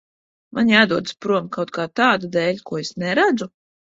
Man jādodas prom kaut kā tāda dēļ, ko es neredzu?